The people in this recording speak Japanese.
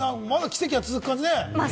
まだ奇跡が続く感じね。